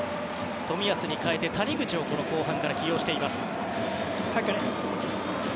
冨安に代えて谷口を後半から起用しています。